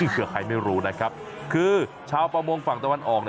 เผื่อใครไม่รู้นะครับคือชาวประมงฝั่งตะวันออก